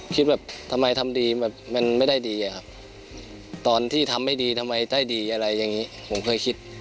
คิดแบบทำไมทำดีแบบมันไม่ได้ดีอะครับตอนที่ทำไม่ดีทำไมได้ดีอะไรอย่างนี้ผมเคยคิด